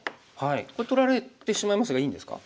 これ取られてしまいますがいいんですか？